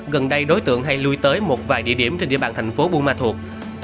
gần đây đối tượng hay lui tới một vài địa điểm trên địa bàn thành phố buôn ma thuột